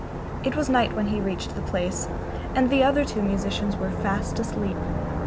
It was night when he reached the place, and the other two musicians were fast asleep.